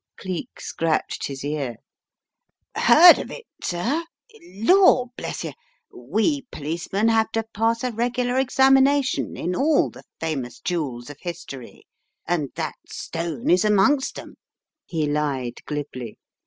" Cleek scratched his ear. "Heard of it, sir? Lor, bless yer, we policemen ' have to pass a regular examination in all the famous jewels of history and that stone is amongst them/* he lied glibly.